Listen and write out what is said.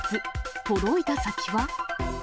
届いた先は。